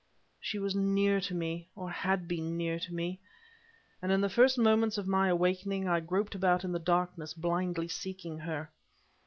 She was near to me, or had been near to me! And in the first moments of my awakening, I groped about in the darkness blindly seeking her.